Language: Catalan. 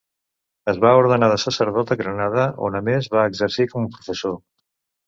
Es va ordenar de sacerdot a Granada, on a més va exercir com a professor.